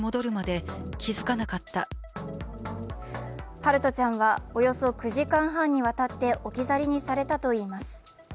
陽翔ちゃんはおよそ９時間半にわたって置き去りにされたといいます。